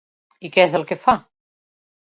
I què és el que fa?